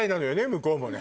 向こうもね。